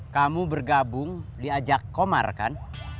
kamu bergabung diajak komar kan